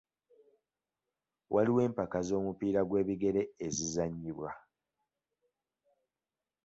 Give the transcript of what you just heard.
Waliwo empaka z'omupiira gw'ebigere ezizannyibwa.